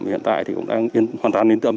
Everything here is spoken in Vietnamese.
hiện tại thì cũng đang hoàn toàn nín tâm